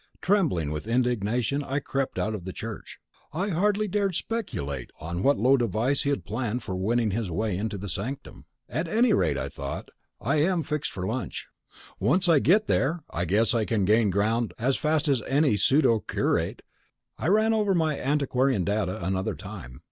Trembling with indignation, I crept out of the church. I hardly dared speculate on what low device he had planned for winning his way into the sanctum. At any rate, I thought, I am fixed for lunch: once I get there, I guess I can gain ground as fast as any pseudo curate. I ran over my antiquarian data another time.